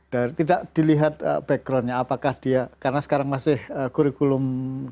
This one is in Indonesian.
dan tidak dilihat backgroundnya apakah dia karena sekarang masih kurikulum dua ribu tiga belas